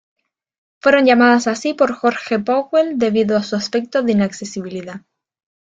Fueron llamadas así por Jorge Powell debido a su aspecto de inaccesibilidad.